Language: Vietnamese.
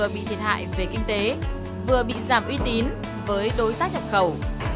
vừa bị thiệt hại về kinh tế vừa bị giảm uy tín với đối tác nhập khẩu